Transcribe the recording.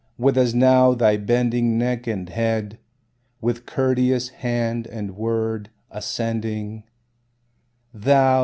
with as now thy bending neck and head, with courteous hand and word, ascending, Thou!